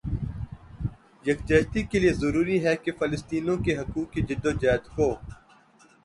یکجہتی کےلئے ضروری ہے کہ فلسطینیوں کے حقوق کی جدوجہد کو